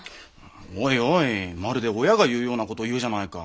おいおいまるで親が言うような事を言うじゃないか。